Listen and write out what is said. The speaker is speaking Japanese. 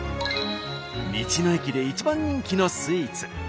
道の駅で一番人気のスイーツ。